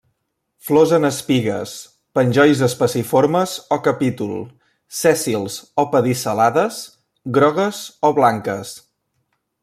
Flors en espigues, penjolls espiciformes o capítol, sèssils o pedicel·lades, grogues o blanques.